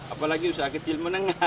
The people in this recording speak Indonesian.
apalagi usaha kecil menengah